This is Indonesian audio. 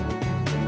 aku mau berjalan